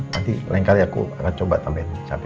nanti lain kali aku akan coba tambahin cabai